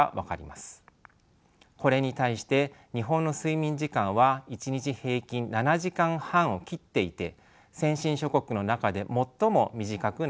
これに対して日本の睡眠時間は１日平均７時間半を切っていて先進諸国の中で最も短くなっています。